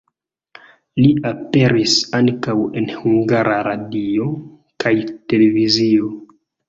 Li aperis ankaŭ en Hungara Radio kaj Televizio.